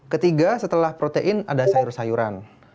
ketiga setelah protein ada sayur sayuran